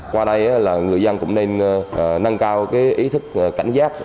qua đây là người dân cũng nên nâng cao ý thức cảnh giác